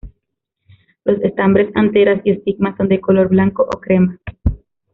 Los estambres, anteras y estigmas son de color blanco o crema.